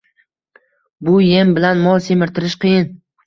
Bu em bilan mol semirtirish qiyin